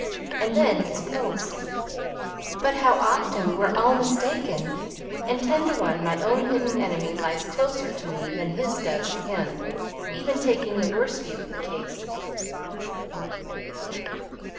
"And then his pulse. But how often we're all mistaken; and, ten to one, my own hidden enemy lies closer to me than his does to him even taking the worse view of the case."